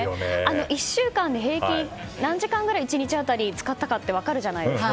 １週間で平均、何時間くらい１日当たり、使ったかって分かるじゃないですか。